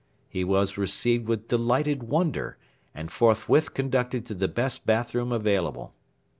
He was received with delighted wonder, and forthwith conducted to the best bath room available.